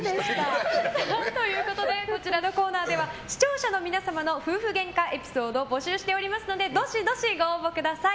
こちらのコーナーでは視聴者の皆様の夫婦ゲンカエピソードを募集しておりますのでどしどしご応募ください！